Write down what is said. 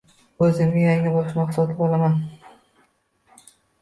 O`zimga yangi boshmoq sotib olaman